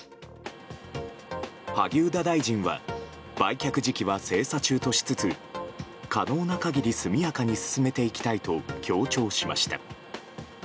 萩生田大臣は売却時期は精査中としつつ可能な限り速やかに進めていきたいと強調しました。